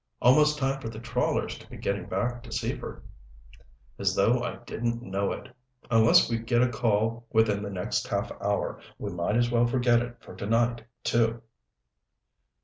"Almost time for the trawlers to be getting back to Seaford." "As though I didn't know it! Unless we get a call within the next half hour, we might as well forget it for tonight, too."